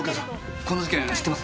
この事件知ってます？